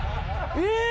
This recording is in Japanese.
えっ？